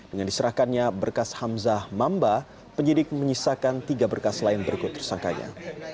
dengan diserahkannya berkas hamzah mamba penyidik menyisakan tiga berkas lain berikut tersangkanya